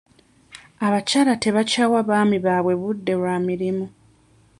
Abakyala tebakyawa baami baabwe budde lwa mirimu.